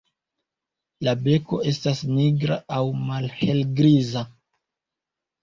La beko estas nigra aŭ malhelgriza.